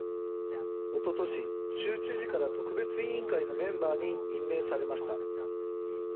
おととし、州知事から特別委員会のメンバーに任命されました。